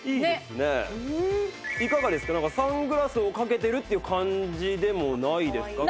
サングラスをかけてるっていう感じでもないですか？